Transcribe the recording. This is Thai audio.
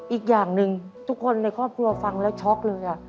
อีกอย่างหนึ่งทุกคนในครอบครัวฟังแล้วช็อกเลย